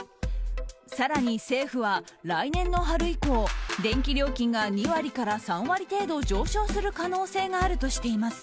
更に政府は来年の春以降電気料金が２割から３割程度上昇する可能性があるとしています。